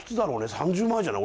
３０前じゃない？